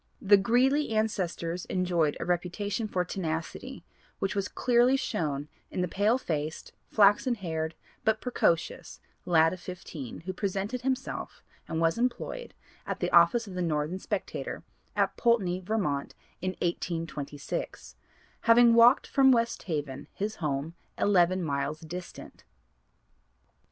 The Greeley ancestors enjoyed a reputation for 'tenacity,' which was clearly shown in the pale faced, flaxen haired but precocious lad of fifteen, who presented himself and was employed at the office of the Northern Spectator, at Poultney, Vermont, in 1826; having walked from West Haven, his home, eleven miles distant.